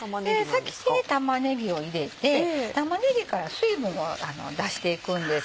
先に玉ねぎを入れて玉ねぎから水分を出していくんです。